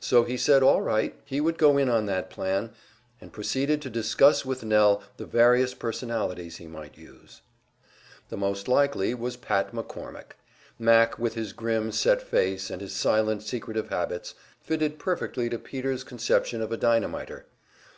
So he said all right, he would go in on that plan; and proceeded to discuss with Nell the various personalities he might use. The most likely was Pat McCormick. "Mac," with his grim, set face and his silent, secretive habits, fitted perfectly to Peter's conception of a dynamiter.